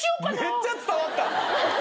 めっちゃ伝わった。